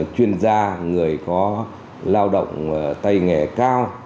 chuyên gia người có lao động tay nghề cao